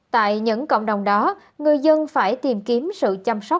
tại những cộng đồng đó người dân phải tìm kiếm sự chăm sóc